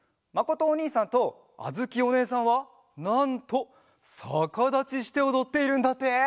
まことおにいさんとあづきおねえさんはなんとさかだちしておどっているんだって！